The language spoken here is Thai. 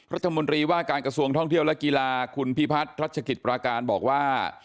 รัฐมนตรีว่าการกระทรวงท่องเที่ยวและกีฬาคุณพิพัฒน์รัชกิจปราการบอกว่า